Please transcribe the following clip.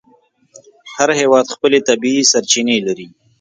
هر هېواد خپلې طبیعي سرچینې لري.